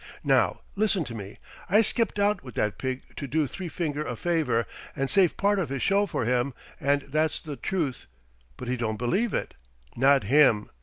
Now, listen to me. I skipped out with that pig to do Three Finger a favor and save part of his show for him, and that's the truth, but he don't believe it not him!